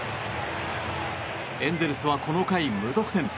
エンゼルスはこの回、無得点。